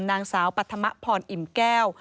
นางสาวปัธมะพรอิ่มแก้ว